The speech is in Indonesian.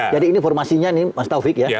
jadi ini formasinya ini mas taufik